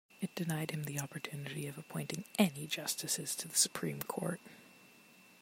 It denied him the opportunity of appointing any justices to the Supreme Court.